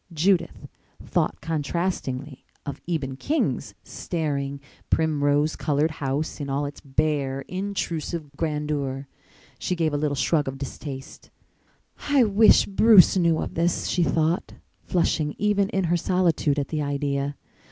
Judith thought contrastingly of Eben King's staring, primrose colored house in all its bare, intrusive grandeur. She gave a little shrug of distaste. "I wish Bruce knew of this," she thought, flushing even in her solitude at the idea.